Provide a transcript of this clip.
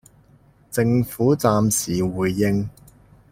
政府隨時回應